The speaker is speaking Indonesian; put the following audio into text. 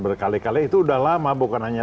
berkali kali itu udah lama bukan hanya